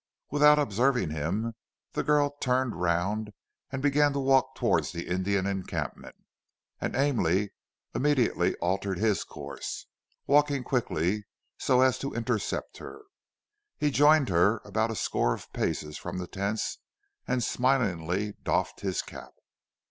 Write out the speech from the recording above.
Without observing him the girl turned round and began to walk towards the Indian encampment and Ainley immediately altered his course, walking quickly so as to intercept her. He joined her about a score of paces from the tents and smilingly doffed his cap.